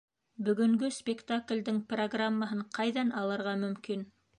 Бөгөнгө спектаклдең программаһын ҡайҙан алырға мөмкин?